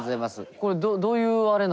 これどういうあれなんすか？